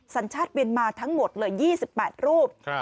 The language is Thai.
สัญชาติเมียนมาทั้งหมดเลย๒๘รูป